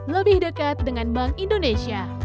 lebih dekat dengan bank indonesia